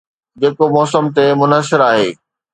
جيڪو موسم تي منحصر آهي.